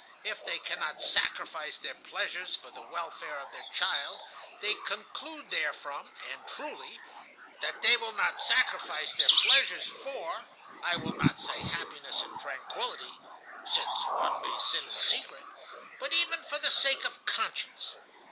If they cannot sacrifice their pleasures for the welfare of their child, they conclude therefrom, and truly, that they will not sacrifice their pleasures for, I will not say happiness and tranquillity (since one may sin in secret), but even for the sake of conscience.